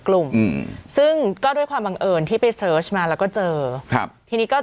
กลุ่มอืมซึ่งก็ด้วยความบังเอิญที่ไปเสิร์ชมาแล้วก็เจอครับทีนี้ก็